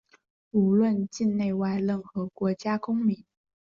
无论境内外、任何国家公民